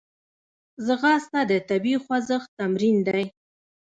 ځغاسته د طبیعي خوځښت تمرین دی